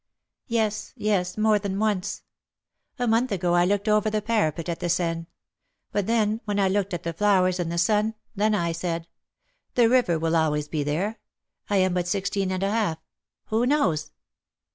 "Yes, yes, more than once. A month ago I looked over the parapet at the Seine; but then, when I looked at the flowers, and the sun, then I said, 'The river will be always there; I am but sixteen and a half, who knows?'"